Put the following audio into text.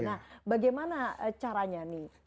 nah bagaimana caranya nih